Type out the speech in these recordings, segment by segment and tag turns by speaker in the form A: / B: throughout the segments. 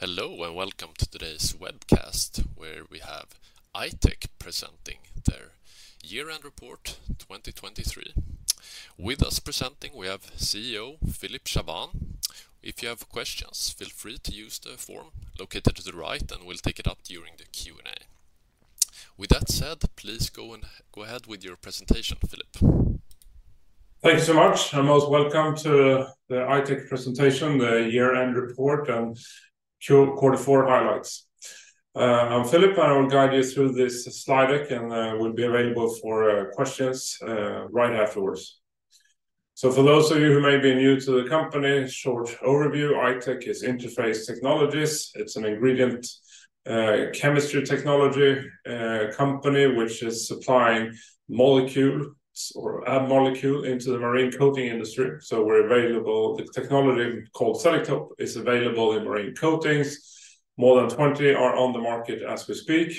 A: Hello, and welcome to today's webcast, where we have I-Tech presenting their year-end report 2023. With us presenting, we have CEO Philip Chaabane. If you have questions, feel free to use the form located to the right, and we'll take it up during the Q&A. With that said, please go ahead with your presentation, Philip.
B: Thanks so much, and most welcome to the I-Tech presentation, the year-end report and quarter four highlights. I'm Philip, and I will guide you through this slide deck, and we'll be available for questions right afterwards. So for those of you who may be new to the company, short overview, I-Tech is Interface Technologies. It's an ingredient chemistry technology company, which is supplying molecules or add molecule into the marine coating industry. So we're available. The technology, called Selektope, is available in marine coatings. More than 20 are on the market as we speak,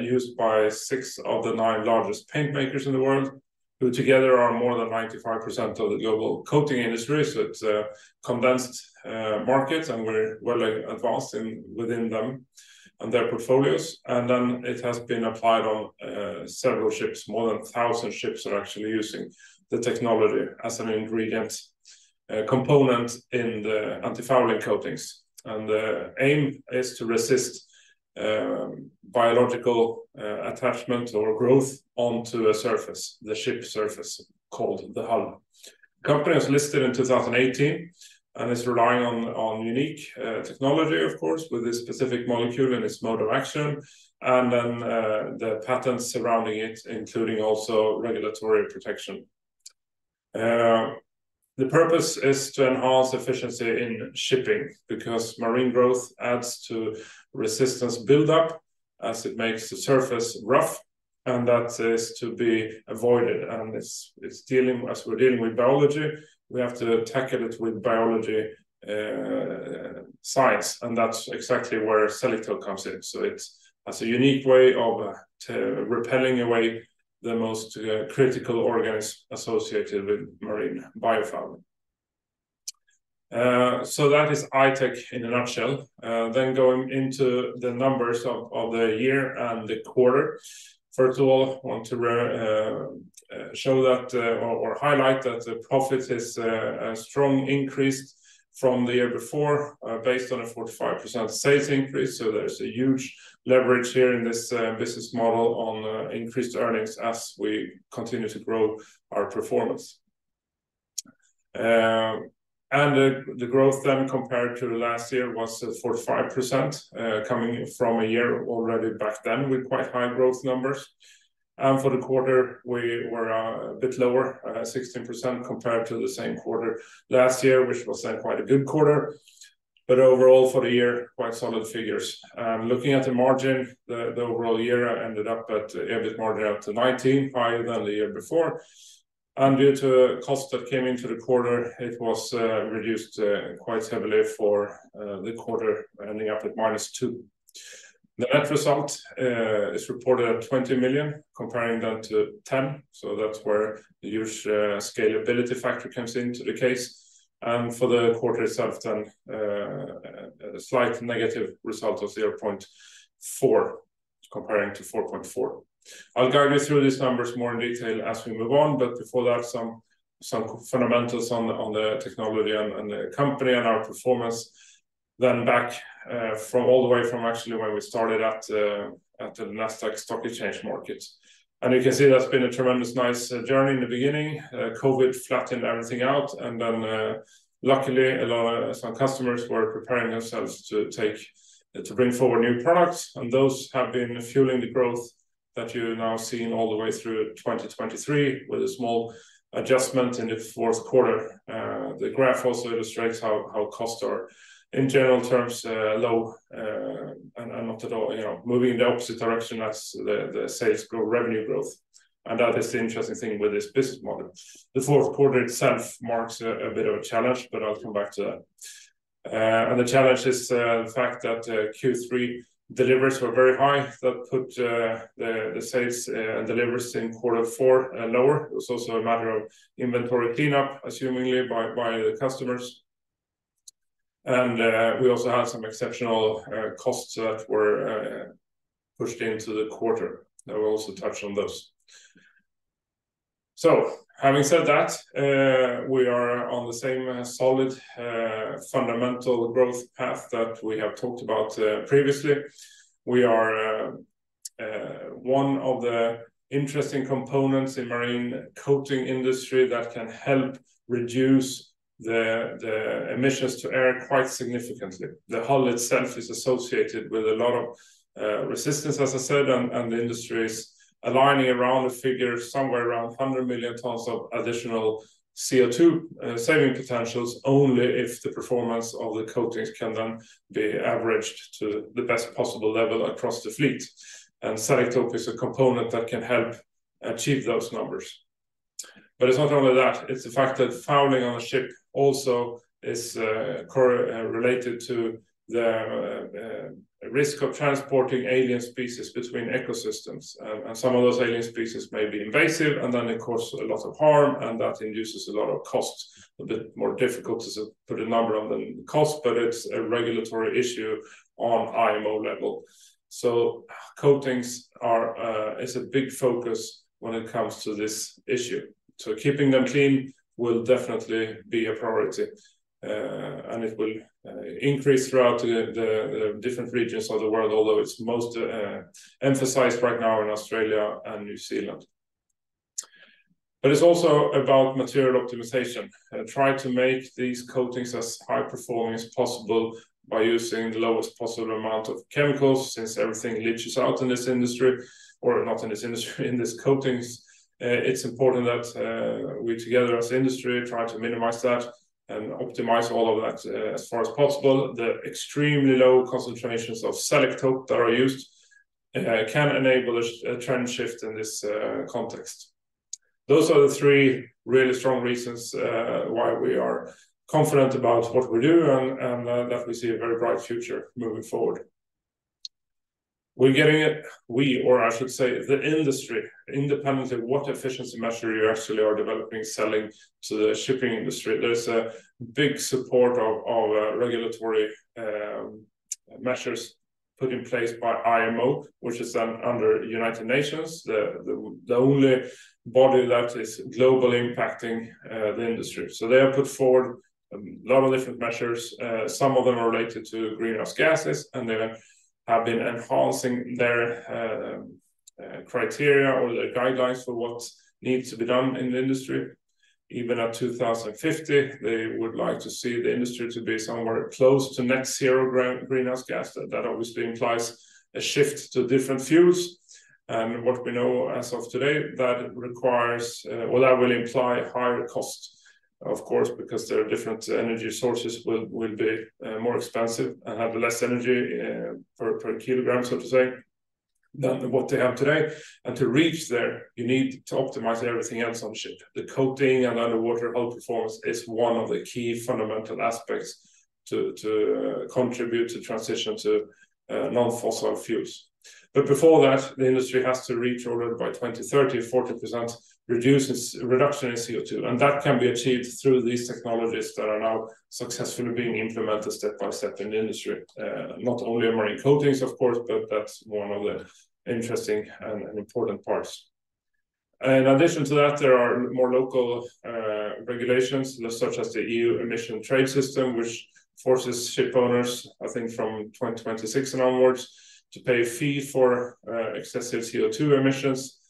B: used by six of the nine largest paint makers in the world, who together are more than 95% of the global coating industry. So it's condensed markets, and we're well advanced within them and their portfolios. And then it has been applied on several ships. More than 1,000 ships are actually using the technology as an ingredient, component in the antifouling coatings. And the aim is to resist biological attachment or growth onto a surface, the ship surface, called the hull. The company was listed in 2018 and is relying on unique technology, of course, with this specific molecule and its mode of action, and then the patterns surrounding it, including also regulatory protection. The purpose is to enhance efficiency in shipping because marine growth adds to resistance buildup as it makes the surface rough, and that is to be avoided. It's dealing. As we're dealing with biology, we have to tackle it with biology science, and that's exactly where Selektope comes in. So it's a unique way of repelling away the most critical organisms associated with marine biofouling. So that is I-Tech in a nutshell. Then going into the numbers of the year and the quarter. First of all, I want to show that, or highlight that the profit is a strong increase from the year before, based on a 45% sales increase. So there's a huge leverage here in this business model on increased earnings as we continue to grow our performance. And the growth then, compared to last year, was 45%, coming from a year already back then with quite high growth numbers. And for the quarter, we were a bit lower, 16%, compared to the same quarter last year, which was then quite a good quarter. But overall, for the year, quite solid figures. Looking at the margin, the overall year ended up at EBIT margin up to 19%, higher than the year before. And due to costs that came into the quarter, it was reduced quite heavily for the quarter, ending up at -2. The net result is reported at 20 million, comparing that to 10 million, so that's where the huge scalability factor comes into the case. And for the quarter itself, then, a slight negative result of 0.4 million, comparing to 4.4 million. I'll guide you through these numbers more in detail as we move on, but before that, some fundamentals on the technology and the company and our performance. Then back from all the way from actually where we started at the Nasdaq Stock Market. And you can see that's been a tremendous nice journey in the beginning. COVID flattened everything out, and then luckily, a lot of our customers were preparing themselves to take to bring forward new products, and those have been fueling the growth that you're now seeing all the way through 2023, with a small adjustment in the fourth quarter. The graph also illustrates how costs are, in general terms, low and not at all, you know, moving in the opposite direction as the sales revenue growth. And that is the interesting thing with this business model. The fourth quarter itself marks a bit of a challenge, but I'll come back to that. And the challenge is the fact that Q3 deliveries were very high. That put the sales and deliveries in quarter four lower. It was also a matter of inventory cleanup, assumingly, by the customers. And we also had some exceptional costs that were pushed into the quarter. I will also touch on those. So having said that, we are on the same solid fundamental growth path that we have talked about previously. We are one of the interesting components in marine coating industry that can help reduce the emissions to air quite significantly. The hull itself is associated with a lot of resistance, as I said, and the industry is aligning around a figure somewhere around 100 million tons of additional CO2 saving potentials, only if the performance of the coatings can then be averaged to the best possible level across the fleet. And Selektope is a component that can help achieve those numbers. But it's not only that, it's the fact that fouling on a ship also is correlated to the risk of transporting alien species between ecosystems. And some of those alien species may be invasive, and then it causes a lot of harm, and that induces a lot of costs. A bit more difficult to put a number on the cost, but it's a regulatory issue on IMO level. So coatings are a big focus when it comes to this issue. So keeping them clean will definitely be a priority, and it will increase throughout the different regions of the world, although it's most emphasized right now in Australia and New Zealand. But it's also about material optimization, try to make these coatings as high-performing as possible by using the lowest possible amount of chemicals, since everything leaches out in this industry, or not in this industry, in these coatings. It's important that we together, as an industry, try to minimize that and optimize all of that, as far as possible. The extremely low concentrations of Selektope that are used can enable a trend shift in this context. Those are the three really strong reasons why we are confident about what we do and that we see a very bright future moving forward. We're getting it, we or I should say, the industry, independently of what efficiency measure you actually are developing, selling to the shipping industry, there's a big support of regulatory measures put in place by IMO, which is under United Nations, the only body that is globally impacting the industry. So they have put forward a lot of different measures. Some of them are related to greenhouse gases, and they have been enhancing their criteria or the guidelines for what needs to be done in the industry. Even at 2050, they would like to see the industry to be somewhere close to net zero greenhouse gas. That obviously implies a shift to different fuels. What we know as of today, that requires, well, that will imply higher costs, of course, because there are different energy sources will be more expensive and have less energy per kilogram, so to say, than what they have today. And to reach there, you need to optimize everything else on ship. The coating and underwater hull performance is one of the key fundamental aspects to contribute to transition to non-fossil fuels. But before that, the industry has to reach already by 2030, 40% reduction in CO2, and that can be achieved through these technologies that are now successfully being implemented step by step in the industry. Not only marine coatings, of course, but that's one of the interesting and important parts. In addition to that, there are more local regulations, such as the EU Emission Trading System, which forces ship owners, I think from 2026 and onwards, to pay a fee for excessive CO2 emissions.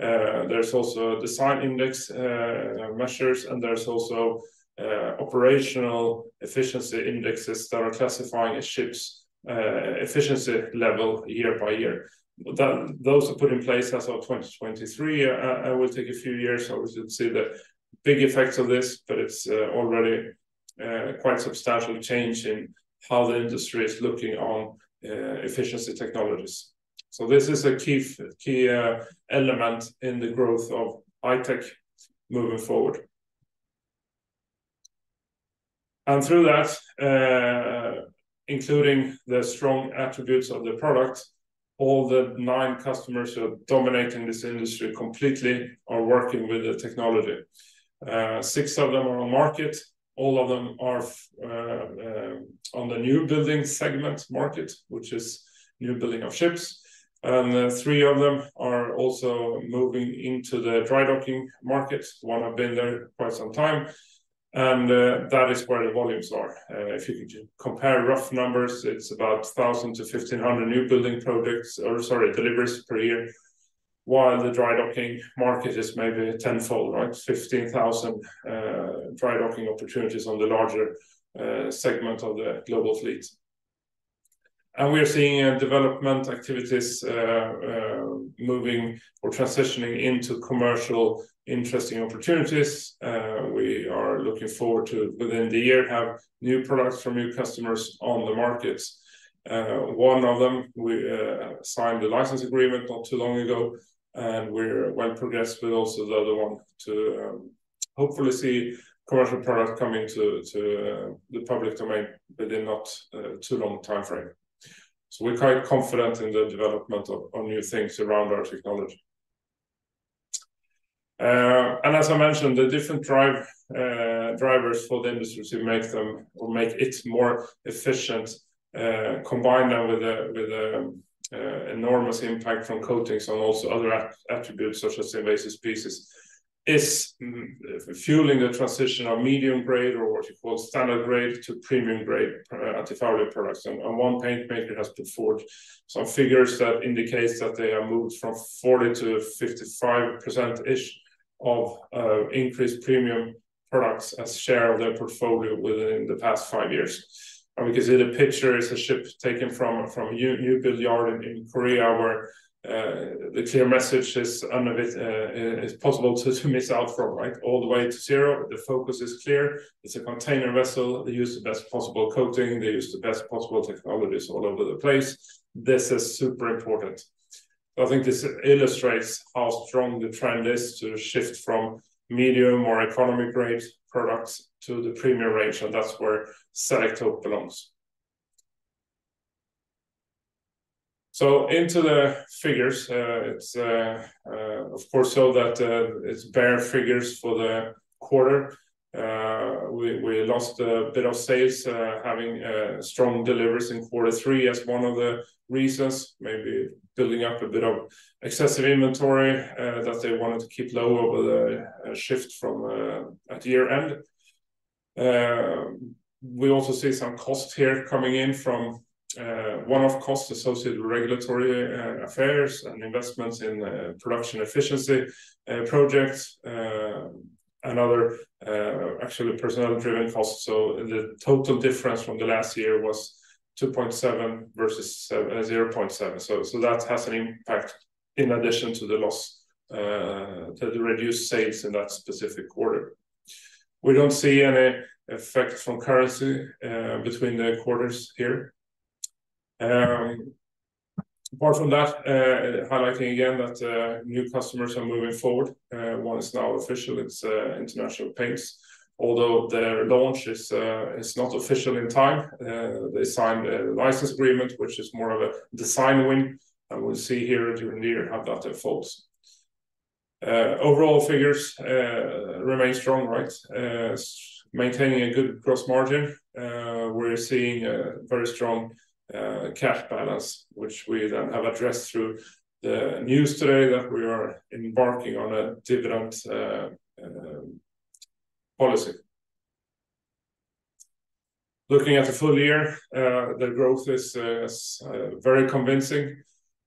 B: There's also design index measures, and there's also operational efficiency indexes that are classifying a ship's efficiency level year by year. Those are put in place as of 2023. It will take a few years, obviously, to see the big effects of this, but it's already a quite substantial change in how the industry is looking on efficiency technologies. So this is a key, key element in the growth of I-Tech moving forward. And through that, including the strong attributes of the product, all the nine customers who are dominating this industry completely are working with the technology. Six of them are on market. All of them are on the new building segment market, which is new building of ships, and three of them are also moving into the dry docking market. One have been there quite some time, and that is where the volumes are. If you compare rough numbers, it's about 1,000-1,500 new building projects, or sorry, deliveries per year, while the dry docking market is maybe tenfold, right? 15,000 dry docking opportunities on the larger segment of the global fleet. And we are seeing development activities moving or transitioning into commercial interesting opportunities. We are looking forward to, within the year, have new products from new customers on the markets. One of them, we signed a license agreement not too long ago, and we're well progressed with also the other one to hopefully see commercial product coming to the public domain within not too long timeframe. So we're quite confident in the development of new things around our technology. And as I mentioned, the different drivers for the industry to make them or make it more efficient combine that with an enormous impact from coatings and also other attributes such as invasive species is fueling a transition of medium grade, or what you call standard grade, to premium grade antifouling products. One paint maker has put forward some figures that indicates that they have moved from 40%-55%-ish of increased premium products as share of their portfolio within the past 5 years. And we can see the picture is a ship taken from a new build yard in Korea, where the clear message is none of it is possible to miss out from, like, all the way to zero. The focus is clear. It's a container vessel. They use the best possible coating. They use the best possible technologies all over the place. This is super important.... I think this illustrates how strong the trend is to shift from medium or economy-grade products to the premium range, and that's where Selektope belongs. So into the figures. It's, of course, so that it's bare figures for the quarter. We lost a bit of sales having strong deliveries in quarter three as one of the reasons, maybe building up a bit of excessive inventory that they wanted to keep low over the shift from at year-end. We also see some costs here coming in from one-off costs associated with regulatory affairs and investments in production efficiency projects and other actually personnel-driven costs. So the total difference from the last year was 2.7 versus 0.7. So that has an impact in addition to the loss to the reduced sales in that specific quarter. We don't see any effect from currency between the quarters here. Apart from that, highlighting again that new customers are moving forward, one is now official, it's International Paint. Although their launch is not official in time, they signed a license agreement, which is more of a design win, and we'll see here during the year how that unfolds. Overall figures remain strong, right? Maintaining a good gross margin. We're seeing a very strong cash balance, which we then have addressed through the news today that we are embarking on a dividend policy. Looking at the full year, the growth is very convincing,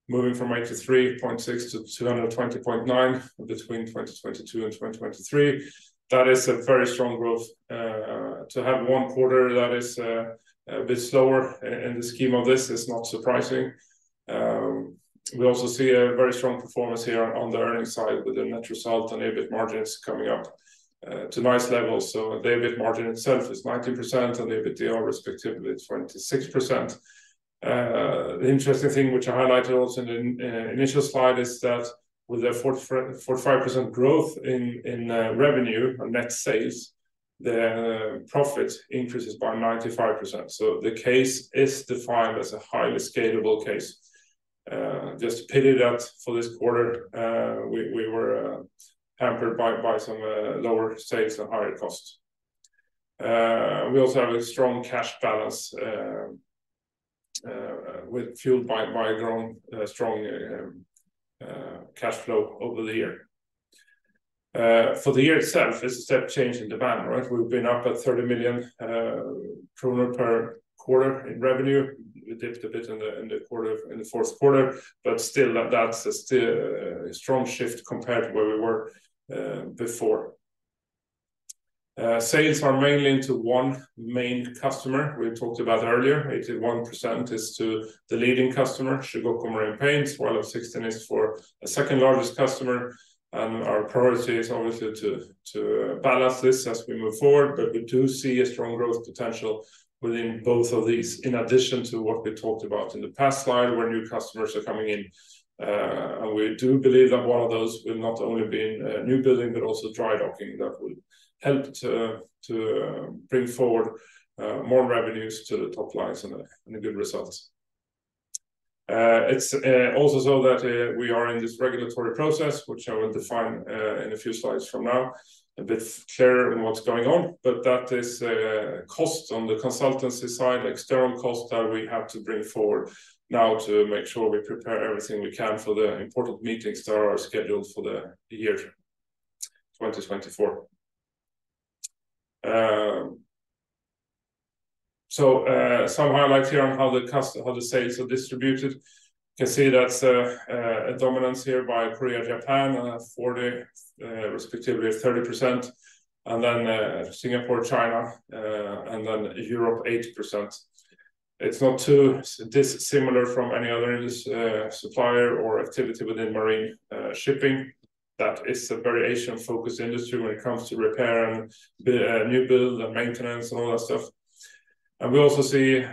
B: moving from 83.6 to 220.9 between 2022 and 2023. That is a very strong growth. To have one quarter that is a bit slower in the scheme of this is not surprising. We also see a very strong performance here on the earnings side with the net result and EBIT margins coming up to nice levels. So the EBIT margin itself is 90%, and the EBITDA, respectively, is 26%. The interesting thing, which I highlighted also in the initial slide, is that with a 44%-45% growth in revenue or net sales, the profit increases by 95%. So the case is defined as a highly scalable case. Just pointed out for this quarter, we were hampered by some lower sales and higher costs. We also have a strong cash balance, with fueled by a strong, strong cash flow over the year. For the year itself, it's a step change in demand, right? We've been up at GBP 30 million per quarter in revenue. We dipped a bit in the quarter, in the fourth quarter, but still, that's still a strong shift compared to where we were, before. Sales are mainly into one main customer. We talked about earlier. 81% is to the leading customer, Chugoku Marine Paints. While 16% is for a second-largest customer, and our priority is obviously to balance this as we move forward. But we do see a strong growth potential within both of these, in addition to what we talked about in the past slide, where new customers are coming in. And we do believe that one of those will not only be in new building, but also dry docking. That will help to bring forward more revenues to the top line and a good results. It's also so that we are in this regulatory process, which I will define in a few slides from now, a bit clearer on what's going on. But that is a cost on the consultancy side, external cost that we have to bring forward now to make sure we prepare everything we can for the important meetings that are scheduled for the year 2024. So, some highlights here on how the sales are distributed. You can see that's a dominance here by Korea, Japan, 40, respectively, 30%, and then, Singapore, China, and then Europe, 80%. It's not too dissimilar from any other industry supplier or activity within marine, shipping. That is a very Asian-focused industry when it comes to repair and, new build and maintenance and all that stuff. And we also see,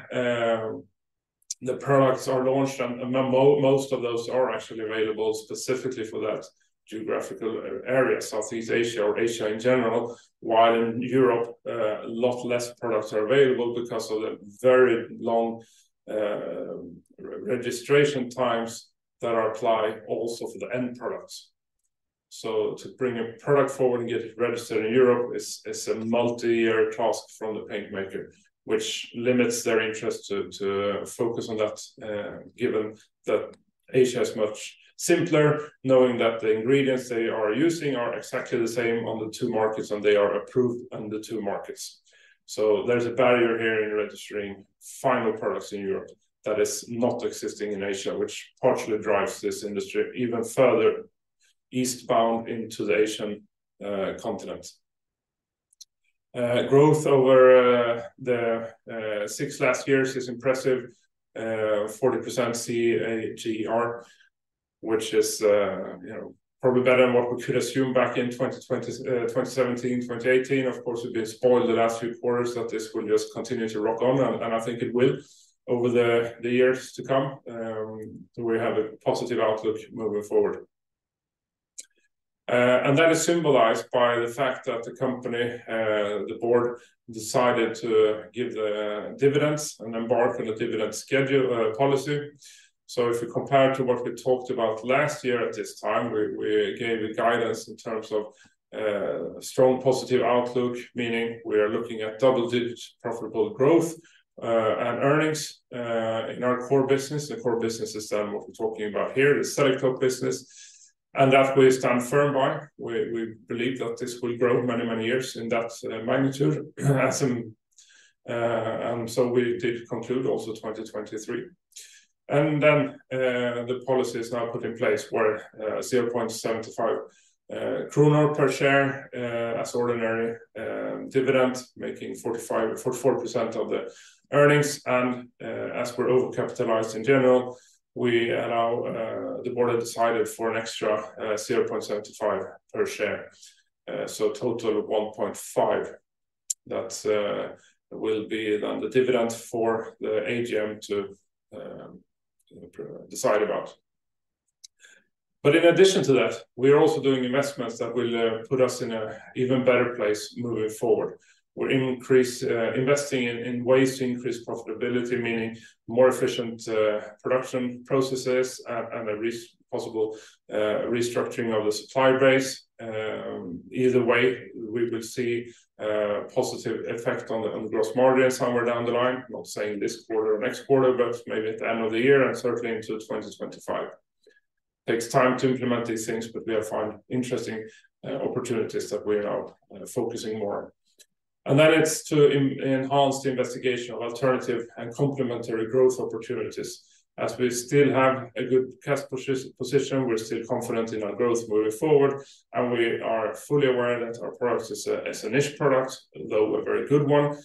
B: the products are launched, and most of those are actually available specifically for that geographical area, Southeast Asia or Asia in general, while in Europe, a lot less products are available because of the very long, registration times that are applied also for the end products. So to bring a product forward and get it registered in Europe is a multi-year task from the paint maker, which limits their interest to focus on that, given that Asia is much simpler, knowing that the ingredients they are using are exactly the same on the two markets, and they are approved on the two markets. So there's a barrier here in registering final products in Europe that is not existing in Asia, which partially drives this industry even further eastbound into the Asian continent. Growth over the six last years is impressive, 40% CAGR, which is, you know, probably better than what we could assume back in 2020, 2017, 2018. Of course, we've been spoiled the last few quarters that this will just continue to rock on, and I think it will over the years to come. We have a positive outlook moving forward, and that is symbolized by the fact that the company, the board decided to give the dividends and embark on a dividend schedule, policy. So if you compare to what we talked about last year at this time, we gave a guidance in terms of strong positive outlook, meaning we are looking at double-digit profitable growth and earnings in our core business. The core business is then what we're talking about here, the Selektope business, and that we stand firm by. We believe that this will grow many, many years in that magnitude. At some... And so we did conclude also 2023. The policy is now put in place where GBP 0.75 per share as ordinary dividend, making 44% of the earnings. As we're overcapitalized in general, we allow the board has decided for an extra 0.75 per share. So total of 1.5, that will be then the dividend for the AGM to decide about. But in addition to that, we are also doing investments that will put us in an even better place moving forward. We're investing in ways to increase profitability, meaning more efficient production processes and a possible restructuring of the supply base. Either way, we will see positive effect on the gross margin somewhere down the line. Not saying this quarter or next quarter, but maybe at the end of the year and certainly into 2025. Takes time to implement these things, but we have found interesting opportunities that we are now focusing more on. And then it's to enhance the investigation of alternative and complementary growth opportunities. As we still have a good cash position, we're still confident in our growth moving forward, and we are fully aware that our product is a niche product, although a very good one.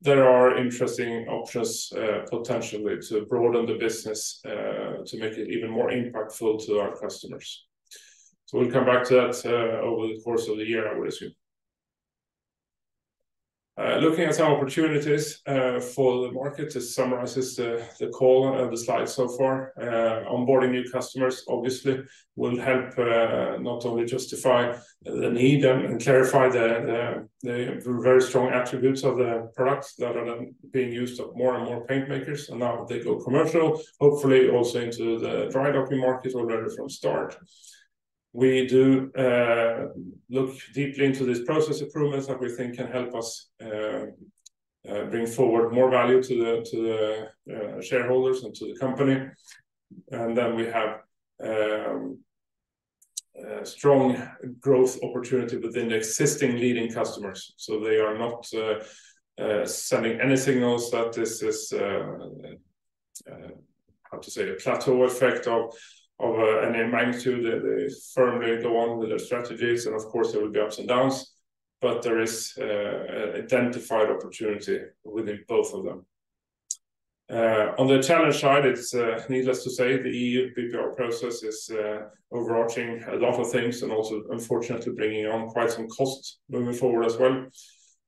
B: There are interesting options potentially to broaden the business to make it even more impactful to our customers. So we'll come back to that over the course of the year, I would assume. Looking at some opportunities for the market, this summarizes the call and the slides so far. Onboarding new customers obviously will help, not only justify the need and clarify the very strong attributes of the products that are then being used of more and more paint makers. Now they go commercial, hopefully also into the dry docking market already from start. We do look deeply into this process improvements that we think can help us bring forward more value to the shareholders and to the company. Then we have strong growth opportunity within the existing leading customers. So they are not sending any signals that this is how to say, a plateau effect of any magnitude. They firmly go on with their strategies, and of course, there will be ups and downs, but there is identified opportunity within both of them. On the challenge side, it's needless to say, the EU BPR process is overarching a lot of things and also unfortunately bringing on quite some costs moving forward as well.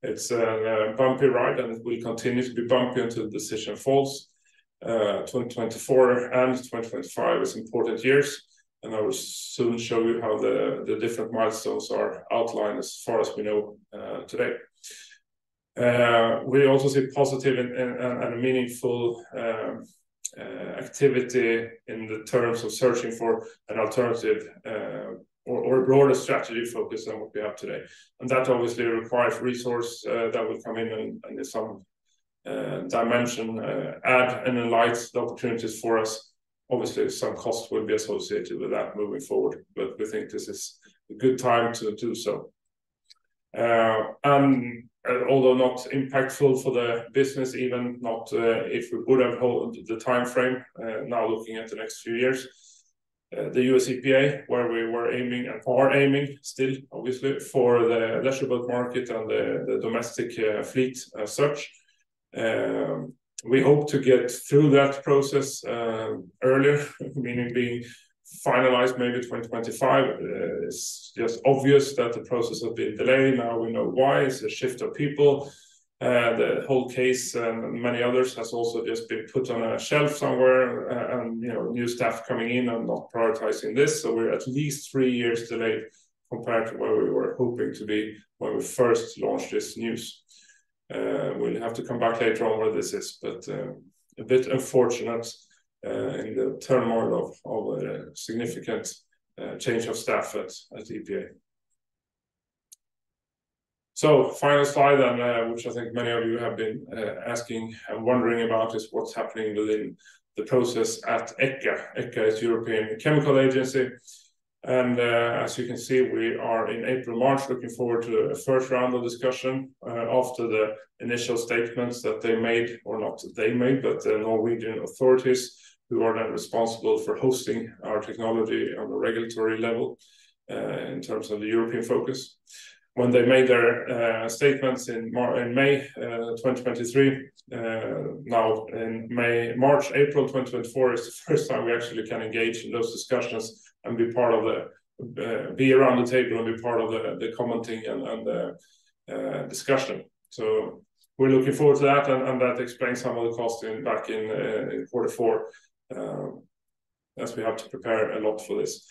B: It's a bumpy ride, and it will continue to be bumpy until the decision falls. 2024 and 2025 is important years, and I will soon show you how the different milestones are outlined as far as we know today. We also see positive and meaningful activity in the terms of searching for an alternative or a broader strategy focus on what we have today. And that obviously requires resource that will come in and in some dimension add and enlighten the opportunities for us. Obviously, some costs will be associated with that moving forward, but we think this is a good time to do so. And although not impactful for the business, even not, if we would have held the time frame, now looking at the next few years, the U.S. EPA, where we were aiming and are aiming still, obviously, for the leisure boat market and the domestic fleet as such, we hope to get through that process earlier, meaning being finalized maybe 2025. It's just obvious that the process has been delayed. Now, we know why. It's a shift of people. The whole case and many others has also just been put on a shelf somewhere, and, you know, new staff coming in and not prioritizing this. So we're at least three years delayed compared to where we were hoping to be when we first launched this news. We'll have to come back later on where this is, but a bit unfortunate in the turmoil of a significant change of staff at EPA. So final slide, and which I think many of you have been asking and wondering about, is what's happening within the process at ECHA. ECHA is European Chemicals Agency, and as you can see, we are in April, March, looking forward to a first round of discussion after the initial statements that they made, or not they made, but the Norwegian authorities, who are now responsible for hosting our technology on a regulatory level, in terms of the European focus. When they made their statements in March in May 2023, now in May, March, April 2024 is the first time we actually can engage in those discussions and be part of the, be around the table and be part of the commenting and the discussion. We're looking forward to that, and that explains some of the cost back in quarter four as we have to prepare a lot for this.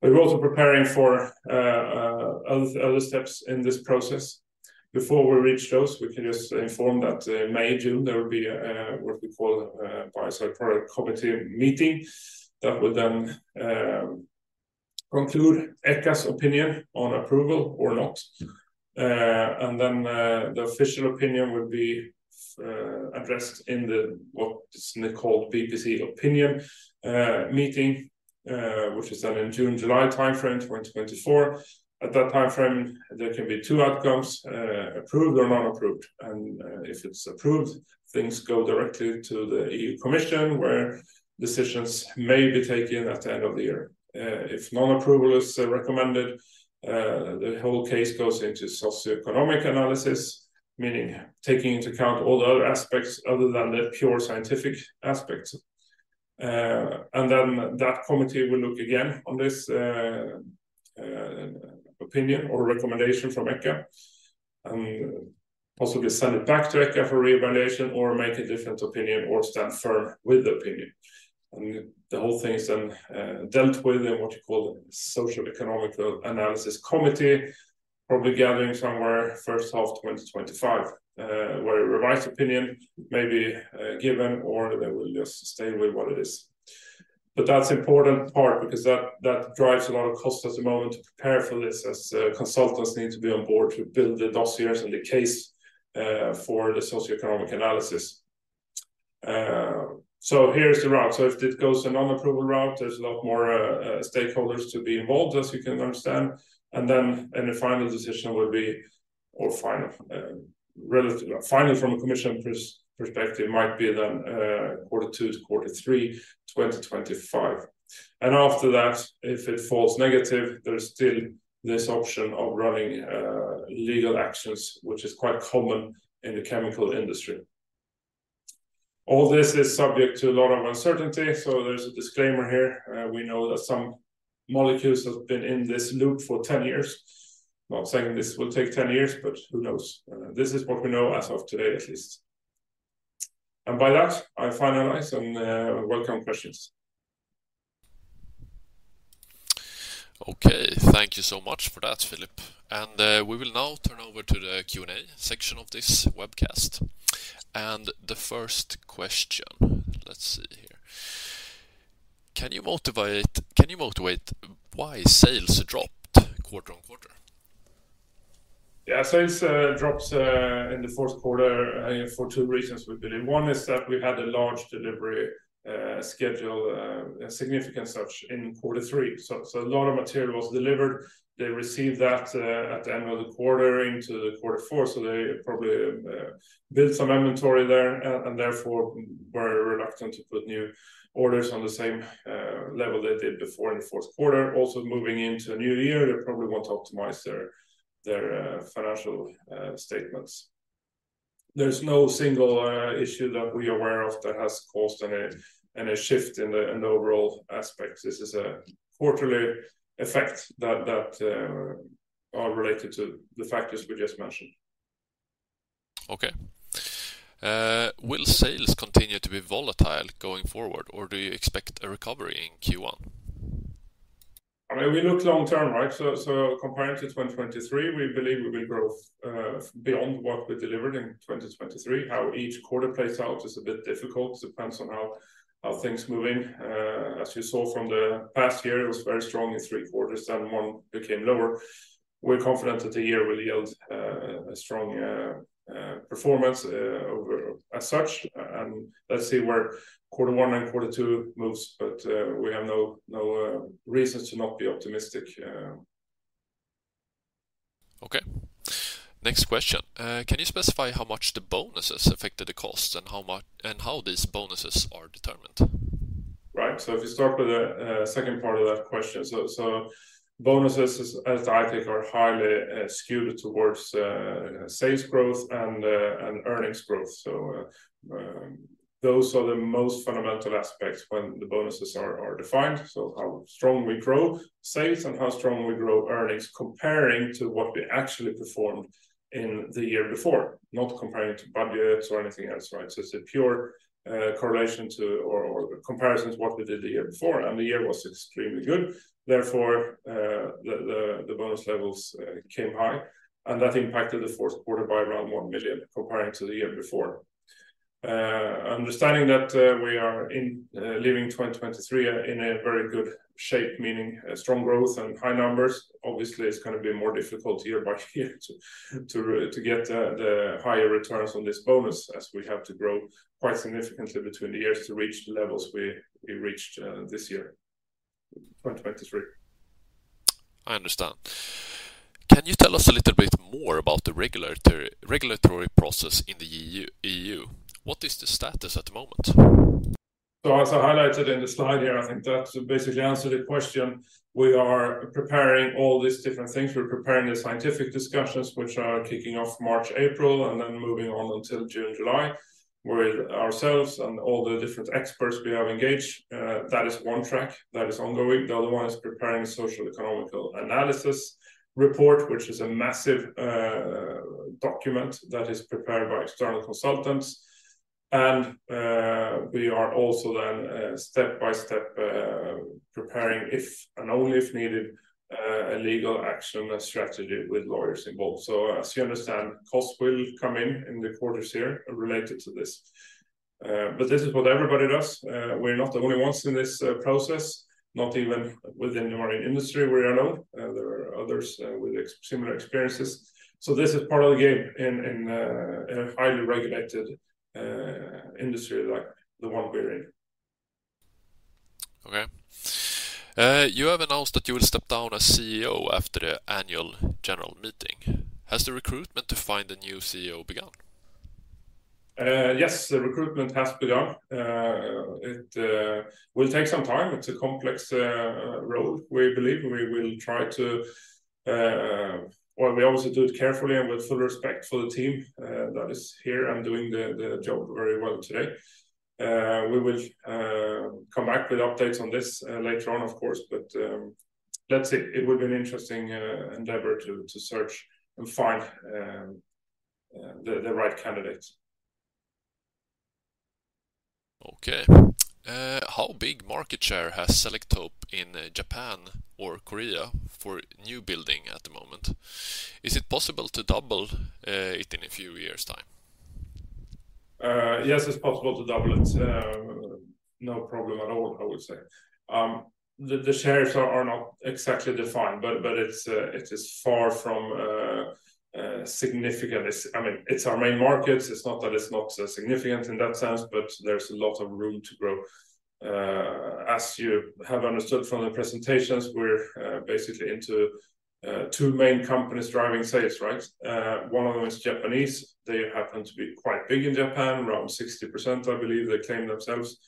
B: But we're also preparing for other steps in this process. Before we reach those, we can just inform that May, June, there will be a what we call [combative] meeting that would then conclude ECHA's opinion on approval or not. And then, the official opinion would be addressed in the what is called PPC opinion meeting, which is done in June, July timeframe, 2024. At that timeframe, there can be two outcomes, approved or non-approved, and if it's approved, things go directly to the EU Commission, where decisions may be taken at the end of the year. If non-approval is recommended, the whole case goes into socioeconomic analysis, meaning taking into account all the other aspects other than the pure scientific aspects. And then that committee will look again on this opinion or recommendation from ECHA, and possibly send it back to ECHA for reevaluation or make a different opinion or stand firm with the opinion. The whole thing is then dealt with in what you call the Socio-Economic Analysis Committee, probably gathering somewhere first half 2025, where a revised opinion may be given or they will just stay with what it is. But that's important part because that drives a lot of cost at the moment to prepare for this, as consultants need to be on board to build the dossiers and the case for the socioeconomic analysis. So here's the route. So if it goes a non-approval route, there's a lot more stakeholders to be involved, as you can understand. And then the final decision will be or final, relatively final from a commission perspective, might be then quarter two to quarter three, 2025. And after that, if it falls negative, there is still this option of running legal actions, which is quite common in the chemical industry. All this is subject to a lot of uncertainty, so there's a disclaimer here. We know that some molecules have been in this loop for 10 years. Not saying this will take 10 years, but who knows? This is what we know as of today, at least. And by that, I finalize and welcome questions.
A: Okay, thank you so much for that, Philip. And, we will now turn over to the Q&A section of this webcast. And the first question, let's see here: Can you motivate why sales dropped quarter-over-quarter?
B: Yeah, sales drops in the fourth quarter for two reasons, we believe. One is that we had a large delivery schedule, a significant such in quarter three. So, a lot of material was delivered. They received that at the end of the quarter into quarter four, so they probably built some inventory there and therefore were reluctant to put new orders on the same level they did before in the fourth quarter. Also, moving into a new year, they probably want to optimize their financial statements. There's no single issue that we are aware of that has caused any shift in the overall aspects. This is a quarterly effect that are related to the factors we just mentioned.
A: Okay. Will sales continue to be volatile going forward, or do you expect a recovery in Q1?
B: I mean, we look long term, right? So, comparing to 2023, we believe we will grow beyond what we delivered in 2023. How each quarter plays out is a bit difficult. Depends on how things moving. As you saw from the past year, it was very strong in three quarters, and one became lower. We're confident that the year will yield a strong performance over as such. And let's see where quarter one and quarter two moves, but we have no reasons to not be optimistic.
A: Okay. Next question. Can you specify how much the bonuses affected the cost and how these bonuses are determined?
B: Right. So if you start with the second part of that question. So bonuses, as I think, are highly skewed towards sales growth and earnings growth. So those are the most fundamental aspects when the bonuses are defined. So how strong we grow sales and how strong we grow earnings comparing to what we actually performed in the year before, not comparing to budgets or anything else, right? So it's a pure correlation to or comparisons what we did the year before, and the year was extremely good. Therefore, the bonus levels came high, and that impacted the fourth quarter by around 1 million comparing to the year before. Understanding that, we are in, leaving 2023 in a very good shape, meaning strong growth and high numbers, obviously, it's gonna be a more difficult year by year to, to, to get the, the higher returns on this bonus as we have to grow quite significantly between the years to reach the levels we, we reached, this year, 2023.
A: I understand. Can you tell us a little bit more about the regulatory process in the EU? What is the status at the moment?
B: As I highlighted in the slide here, I think that basically answered the question. We are preparing all these different things. We're preparing the scientific discussions, which are kicking off March, April, and then moving on until June, July, with ourselves and all the different experts we have engaged. That is one track that is ongoing. The other one is preparing socio-economic analysis report, which is a massive document that is prepared by external consultants. We are also then, step by step, preparing, if and only if needed, a legal action, a strategy with lawyers involved. As you understand, costs will come in, in the quarters here related to this. This is what everybody does. We're not the only ones in this process, not even within the marine industry, we're not alone. There are others with similar experiences. So this is part of the game in a highly regulated industry like the one we're in.
A: Okay. You have announced that you will step down as CEO after the annual general meeting. Has the recruitment to find a new CEO begun?
B: Yes, the recruitment has begun. It will take some time. It's a complex role. We believe we will try to Well, we obviously do it carefully and with full respect for the team that is here and doing the job very well today. We will come back with updates on this later on, of course, but let's say it would be an interesting endeavor to search and find the right candidate.
A: Okay. How big market share has Selektope in Japan or Korea for new building at the moment? Is it possible to double it in a few years' time?
B: Yes, it's possible to double it. No problem at all, I would say. The shares are not exactly defined, but it's far from significant. It's, I mean, it's our main markets. It's not that it's not significant in that sense, but there's a lot of room to grow. As you have understood from the presentations, we're basically into two main companies driving sales, right? One of them is Japanese. They happen to be quite big in Japan, around 60%, I believe they claim themselves.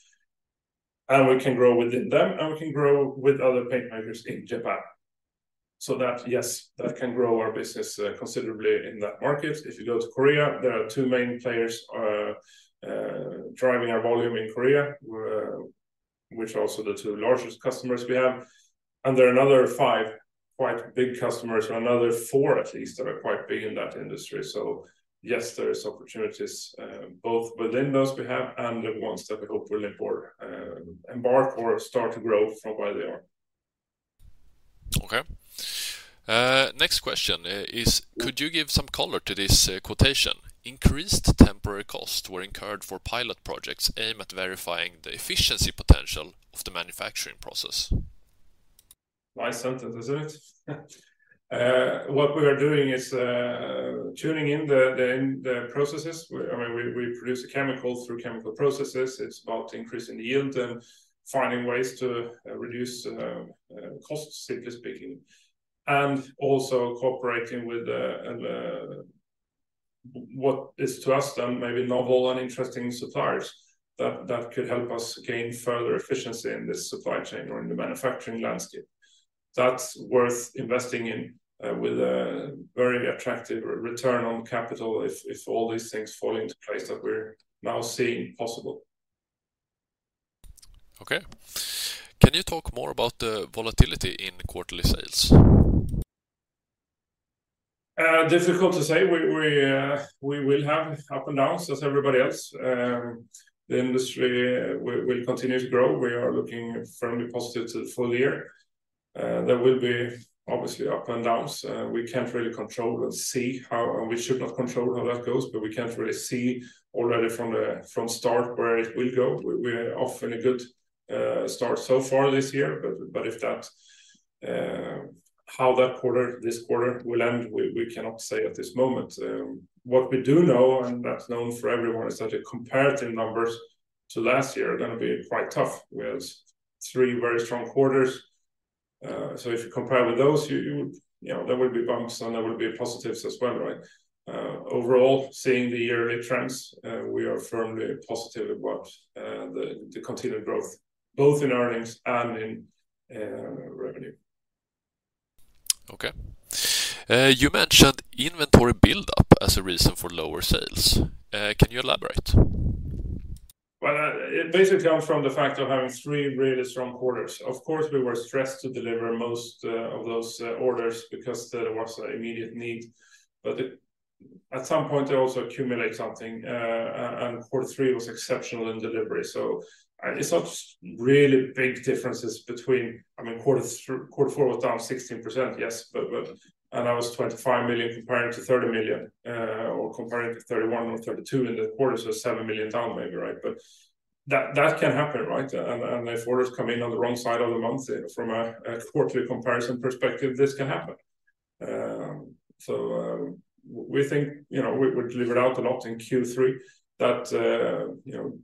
B: And we can grow within them, and we can grow with other paint makers in Japan. So that, yes, that can grow our business considerably in that market. If you go to Korea, there are two main players, driving our volume in Korea, which are also the two largest customers we have. And there are another five quite big customers, or another four, at least, that are quite big in that industry. So yes, there is opportunities, both within those we have and the ones that we hope will import, embark or start to grow from where they are.
A: Okay. Next question, is could you give some color to this, quotation? "Increased temporary costs were incurred for pilot projects aimed at verifying the efficiency potential of the manufacturing process.
B: Nice sentence, isn't it? What we are doing is tuning in the processes. We, I mean, produce a chemical through chemical processes. It's about increasing the yield and finding ways to reduce costs, simply speaking, and also cooperating with what is to us then maybe novel and interesting suppliers that could help us gain further efficiency in this supply chain or in the manufacturing landscape. That's worth investing in with a very attractive return on capital if all these things fall into place that we're now seeing possible.
A: Okay. Can you talk more about the volatility in quarterly sales?
B: Difficult to say. We will have ups and downs as everybody else. The industry will continue to grow. We are looking firmly positive to the full year. There will be obviously ups and downs, and we can't really control and see how, and we should not control how that goes, but we can't really see already from the start, where it will go. We're off to a good start so far this year. But if that's how that quarter, this quarter will end, we cannot say at this moment. What we do know, and that's known for everyone, is that the comparative numbers to last year are going to be quite tough. We had three very strong quarters. So if you compare with those, you know, there will be bumps and there will be positives as well, right? Overall, seeing the yearly trends, we are firmly positive about the continued growth, both in earnings and in revenue.
A: Okay. You mentioned inventory buildup as a reason for lower sales. Can you elaborate?
B: Well, it basically comes from the fact of having three really strong quarters. Of course, we were stressed to deliver most of those orders because there was an immediate need. But at some point, they also accumulate something, and quarter three was exceptional in delivery. So it's not really big differences between, I mean, quarter four was down 16%, yes, And that was 25 million comparing to 30 million, or comparing to 31 or 32, and the quarter was 7 million down, maybe, right? But that can happen, right? And if orders come in on the wrong side of the month, from a quarterly comparison perspective, this can happen. We think, you know, we delivered out a lot in Q3 that you know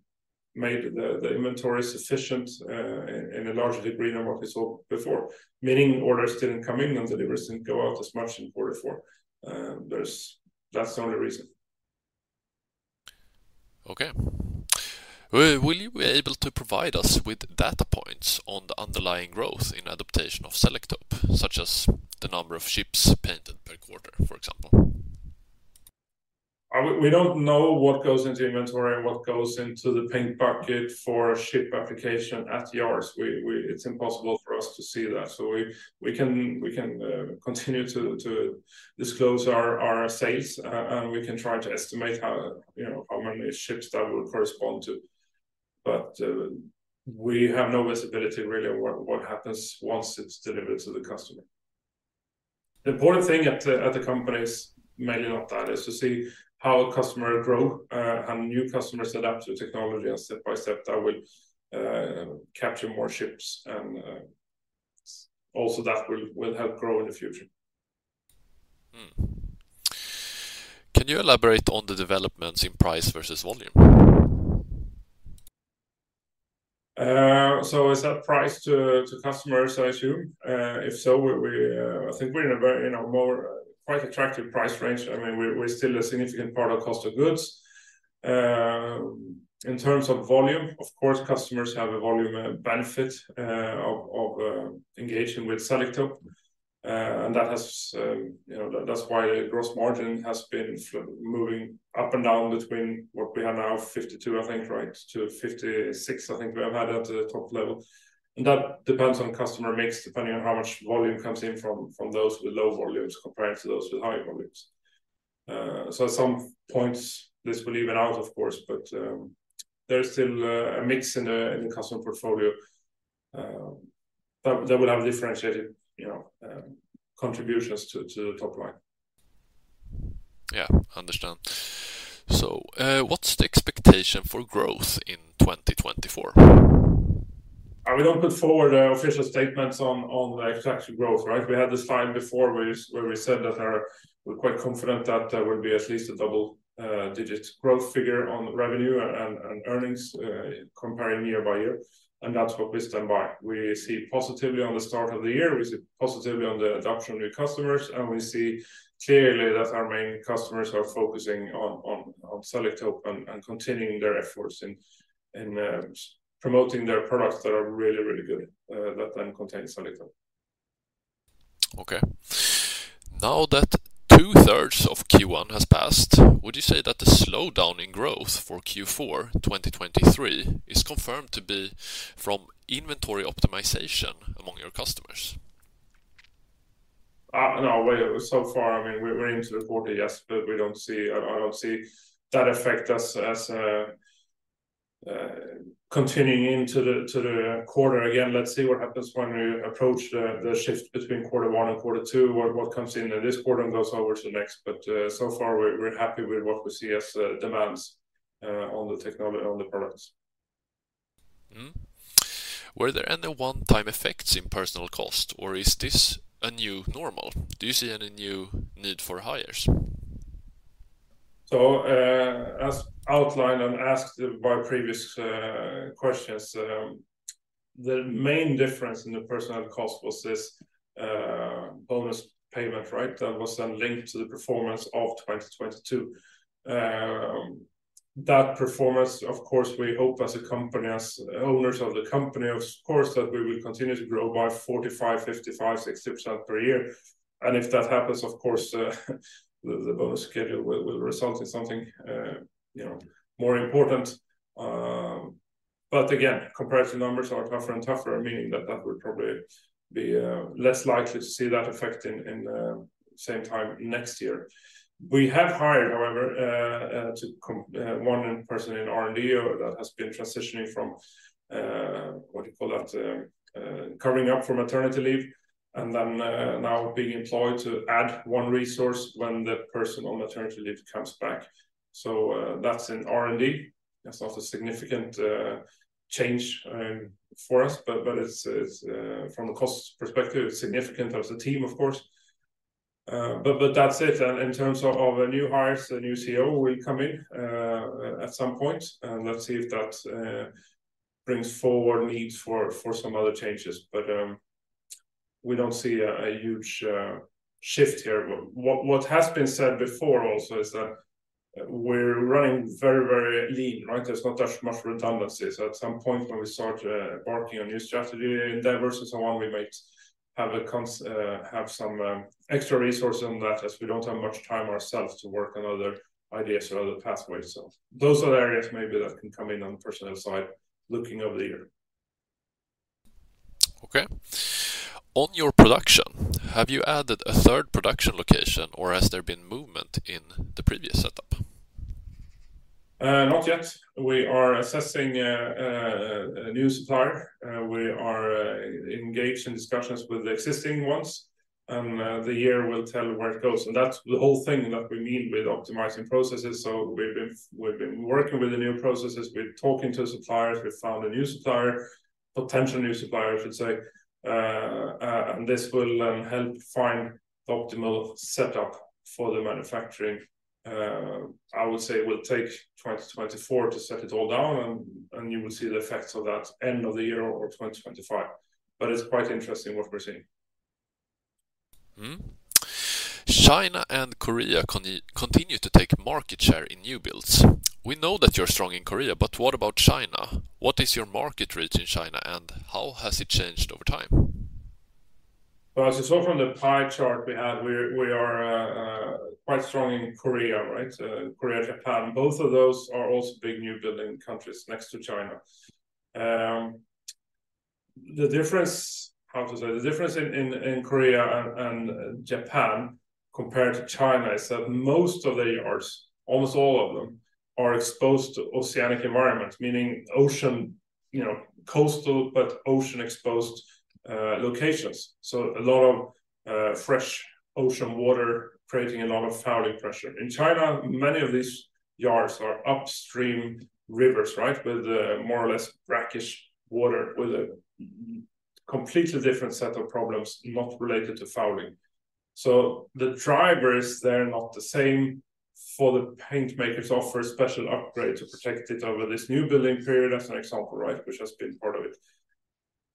B: made the inventory sufficient in a larger degree than what we saw before, meaning orders didn't come in and deliveries didn't go out as much in quarter four. There’s. That’s the only reason.
A: Okay. Will you be able to provide us with data points on the underlying growth in adaptation of Selektope, such as the number of ships painted per quarter, for example?
B: We don't know what goes into inventory and what goes into the paint bucket for ship application at yards. We, it's impossible for us to see that. So we can continue to disclose our sales, and we can try to estimate how, you know, how many ships that would correspond to, but we have no visibility really on what happens once it's delivered to the customer. The important thing at the company is mainly not that, is to see how a customer grow, and new customers adapt to technology, and step by step, that will capture more ships, and also that will help grow in the future.
A: Can you elaborate on the developments in price versus volume?
B: So is that price to customers, I assume? If so, I think we're in a very attractive price range. I mean, we're still a significant part of cost of goods. In terms of volume, of course, customers have a volume benefit of engaging with Selektope. And that has, you know, that's why gross margin has been moving up and down between what we have now, 52%, I think, right, to 56%, I think we have had at the top level. And that depends on customer mix, depending on how much volume comes in from those with low volumes compared to those with high volumes. So at some points, this will even out, of course, but there's still a mix in the customer portfolio that will have differentiated, you know, contributions to the top line.
A: Yeah, understand. So, what's the expectation for growth in 2024?
B: We don't put forward official statements on the actual growth, right? We had this slide before where we said that our we're quite confident that there will be at least a double digit growth figure on revenue and earnings comparing year by year, and that's what we stand by. We see positively on the start of the year, we see positively on the adoption of new customers, and we see clearly that our main customers are focusing on Selektope and continuing their efforts in promoting their products that are really, really good that then contain Selektope.
A: Okay. Now that two-thirds of Q1 has passed, would you say that the slowdown in growth for Q4 2023 is confirmed to be from inventory optimization among your customers?
B: No, so far, I mean, we're into the quarter, yes, but we don't see, I don't see that affect us as continuing into the quarter. Again, let's see what happens when we approach the shift between quarter one and quarter two, what comes in, and this quarter goes over to the next, but so far, we're happy with what we see as demands on the technology on the products.
A: Were there any one-time effects in personal cost, or is this a new normal? Do you see any new need for hires?
B: So, as outlined and asked by previous questions, the main difference in the personnel cost was this bonus payment, right? That was then linked to the performance of 2022. That performance, of course, we hope as a company, as owners of the company, of course, that we will continue to grow by 45, 55, 60% per year. And if that happens, of course, the bonus schedule will result in something, you know, more important. But again, comparison numbers are tougher and tougher, meaning that that will probably be less likely to see that effect in the same time next year. We have hired, however, one person in R&D that has been transitioning from what do you call that? Covering up for maternity leave, and then now being employed to add one resource when the person on maternity leave comes back. So, that's in R&D. That's not a significant change for us, but it's from a cost perspective, it's significant as a team, of course. But that's it. And in terms of the new hires, the new CEO will come in at some point, and let's see if that brings forward needs for some other changes. But we don't see a huge shift here. What has been said before also is that we're running very, very lean, right? There's not that much redundancies. At some point when we start working on new strategy endeavors and so on, we might have some extra resource on that, as we don't have much time ourselves to work on other ideas or other pathways. So those are areas maybe that can come in on the personal side, looking over the year.
A: Okay. On your production, have you added a third production location, or has there been movement in the previous setup?
B: Not yet. We are assessing a new supplier. We are engaged in discussions with the existing ones, and the year will tell where it goes. And that's the whole thing that we mean with optimizing processes. So we've been working with the new processes, we're talking to suppliers, we've found a new supplier, potential new supplier, I should say. And this will help find the optimal setup for the manufacturing. I would say it will take 2024 to set it all down, and you will see the effects of that end of the year or 2025. But it's quite interesting what we're seeing.
A: China and Korea continue to take market share in new builds. We know that you're strong in Korea, but what about China? What is your market reach in China, and how has it changed over time?
B: Well, as you saw from the pie chart we had, we are quite strong in Korea, right? Korea, Japan. Both of those are also big new building countries next to China. The difference, how to say, the difference in Korea and Japan compared to China is that most of the yards, almost all of them, are exposed to oceanic environment, meaning ocean, you know, coastal, but ocean-exposed locations. So a lot of fresh ocean water creating a lot of fouling pressure. In China, many of these yards are upstream rivers, right, with more or less brackish water with a completely different set of problems not related to fouling. So the drivers, they're not the same for the paint makers offer a special upgrade to protect it over this new building period, as an example, right, which has been part of it.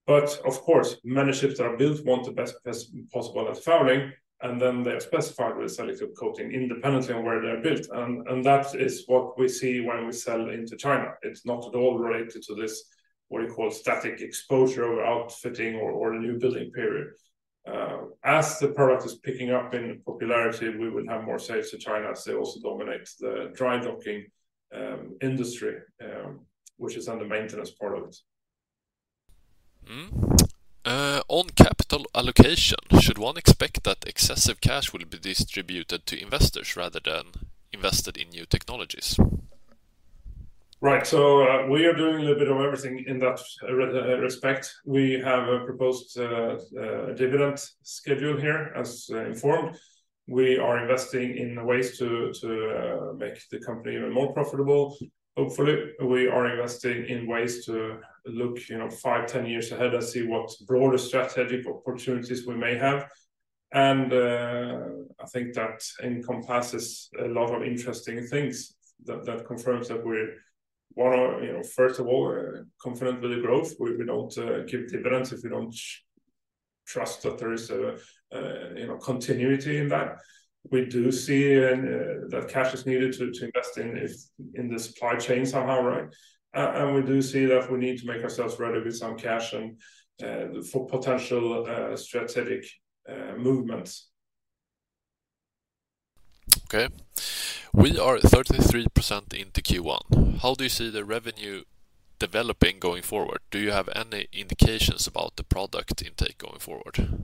B: But of course, many ships that are built want the best as possible at fouling, and then they are specified with Selektope coating independently on where they're built. And that is what we see when we sell into China. It's not at all related to this, what you call, static exposure of outfitting or a new building period. As the product is picking up in popularity, we will have more sales to China as they also dominate the dry docking industry, which is on the maintenance part of it.
A: On capital allocation, should one expect that excessive cash will be distributed to investors rather than invested in new technologies?
B: Right. So, we are doing a little bit of everything in that respect. We have a proposed dividend schedule here, as informed. We are investing in ways to make the company even more profitable. Hopefully, we are investing in ways to look, you know, five, ten years ahead and see what broader strategic opportunities we may have. And, I think that encompasses a lot of interesting things that confirms that we're one of, you know, first of all, confident with the growth. We don't give dividends if we don't trust that there is a, you know, continuity in that. We do see that cash is needed to invest in the supply chain somehow, right? We do see that we need to make ourselves ready with some cash and for potential strategic movements.
A: Okay. We are 33% into Q1. How do you see the revenue developing going forward? Do you have any indications about the product intake going forward?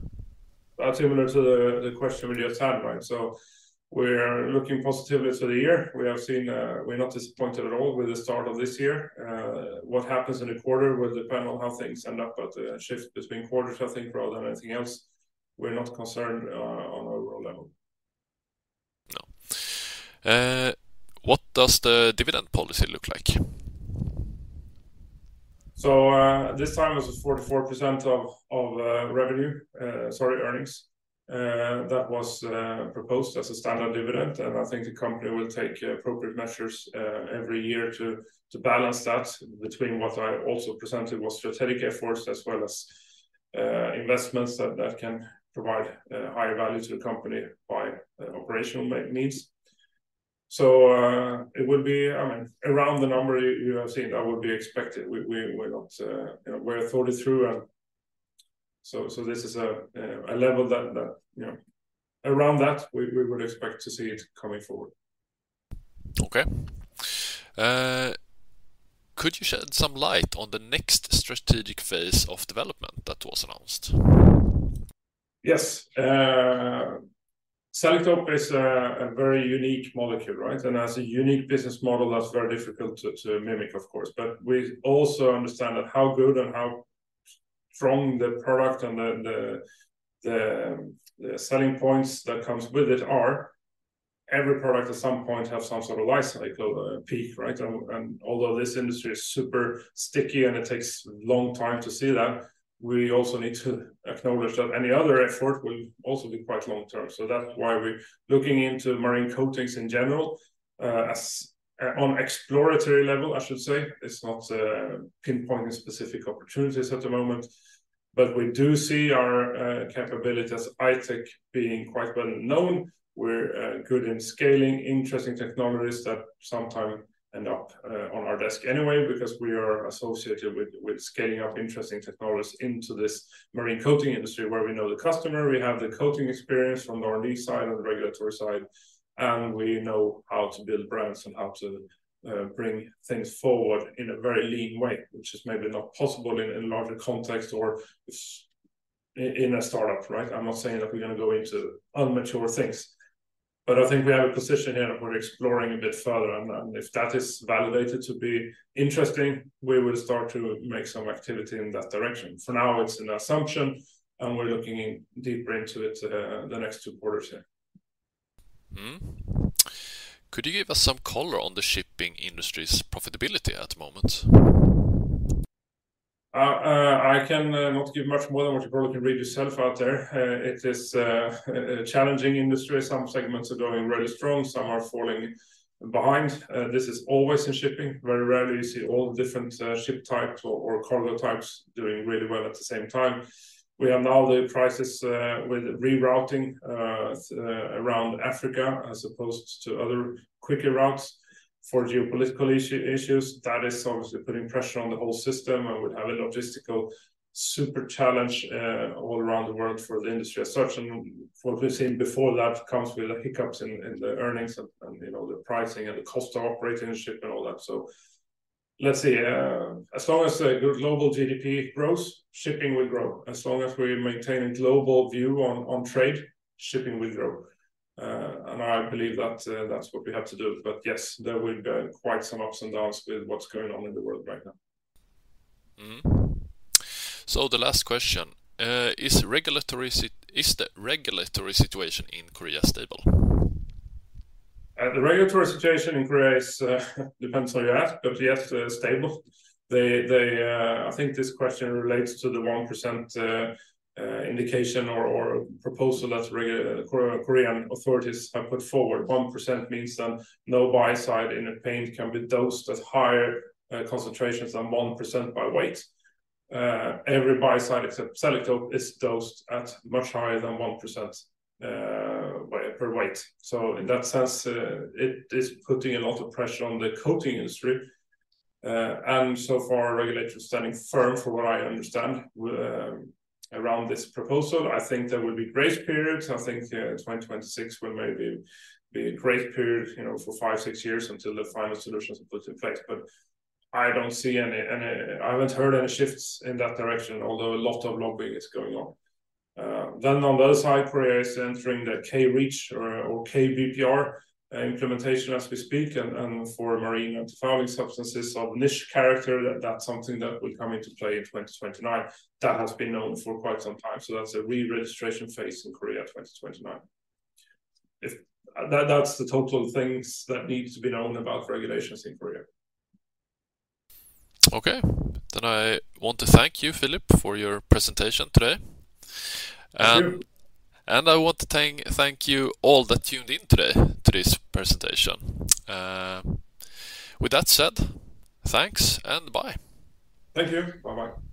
B: That's similar to the, the question we just had, right? So we're looking positively to the year. We have seen. We're not disappointed at all with the start of this year. What happens in the quarter will depend on how things end up, but shift between quarters, I think, rather than anything else. We're not concerned on an overall level.
A: No. What does the dividend policy look like?
B: So, this time it was 44% of revenue, sorry, earnings, that was proposed as a standard dividend. And I think the company will take appropriate measures every year to balance that between what I also presented was strategic efforts, as well as investments that can provide higher value to the company by operational needs. So, it will be, I mean, around the number you have seen, that would be expected. We, we're not, you know, we're thought it through. And so this is a level that, you know, around that, we would expect to see it coming forward.
A: Okay. Could you shed some light on the next strategic phase of development that was announced?
B: Yes. Selektope is a very unique molecule, right? And as a unique business model, that's very difficult to mimic, of course. But we also understand that how good and how strong the product and the selling points that comes with it are, every product at some point have some sort of life cycle peak, right? And although this industry is super sticky and it takes a long time to see that, we also need to acknowledge that any other effort will also be quite long term. So that's why we're looking into marine coatings in general on exploratory level, I should say. It's not pinpointing specific opportunities at the moment, but we do see our capabilities as I-Tech being quite well known. We're good in scaling interesting technologies that sometime end up on our desk anyway because we are associated with scaling up interesting technologies into this marine coating industry, where we know the customer, we have the coating experience from our lead side and regulatory side, and we know how to build brands and how to bring things forward in a very lean way, which is maybe not possible in larger context or in a start-up, right? I'm not saying that we're gonna go into immature things, but I think we have a position here that we're exploring a bit further. And if that is validated to be interesting, we will start to make some activity in that direction. For now, it's an assumption, and we're looking in deeper into it the next two quarters, yeah.
A: Mm-hmm. Could you give us some color on the shipping industry's profitability at the moment?
B: I can not give much more than what you probably can read yourself out there. It is a challenging industry. Some segments are doing really strong, some are falling behind. This is always in shipping. Very rarely, you see all different ship types or cargo types doing really well at the same time. We have now the crisis with rerouting around Africa as opposed to other quicker routes for geopolitical issues. That is obviously putting pressure on the whole system and would have a logistical super challenge all around the world for the industry as such. And what we've seen before, that comes with the hiccups in the earnings and you know, the pricing and the cost of operating the ship and all that. So. Let's see, as long as the global GDP grows, shipping will grow. As long as we maintain a global view on, on trade, shipping will grow. And I believe that, that's what we have to do. But yes, there will be quite some ups and downs with what's going on in the world right now.
A: Mm-hmm. So the last question is, is the regulatory situation in Korea stable?
B: The regulatory situation in Korea is, depends how you ask, but yes, stable. I think this question relates to the 1% indication or proposal that Korean authorities have put forward. 1% means that no biocide in a paint can be dosed at higher concentrations than 1% by weight. Every biocide except Selektope is dosed at much higher than 1% per weight. So in that sense, it is putting a lot of pressure on the coating industry. And so far, regulators are standing firm, from what I understand, around this proposal. I think there will be grace periods. I think 2026 will maybe be a grace period, you know, for 5-6 years until the final solutions are put in place. But I don't see any.. I haven't heard any shifts in that direction, although a lot of lobbying is going on. Then on the other side, Korea is entering the K-REACH or K-BPR implementation as we speak, and for marine antifouling substances of niche character, that's something that will come into play in 2029. That has been known for quite some time, so that's a re-registration phase in Korea, 2029. That, that's the total things that needs to be known about regulations in Korea.
A: Okay. I want to thank you, Philip, for your presentation today.
B: Thank you.
A: I want to thank you all that tuned in today to this presentation. With that said, thanks and bye.
B: Thank you. Bye-bye.